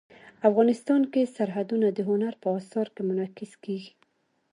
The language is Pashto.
افغانستان کې سرحدونه د هنر په اثار کې منعکس کېږي.